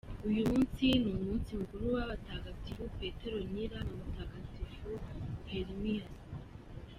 Uyu munsi ni umunsi mukuru w’abatagatifu Peteronila na mutagatifu Hermias.